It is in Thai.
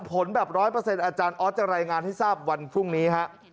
ผลแบบ๑๐๐ออจะรายงานให้ทราบวันพรุ่งนี้